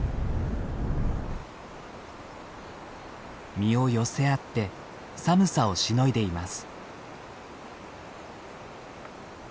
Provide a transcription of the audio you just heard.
身を寄せ合って寒さをしのいでいます。